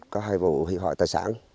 có hai vụ hủy hoại tài sản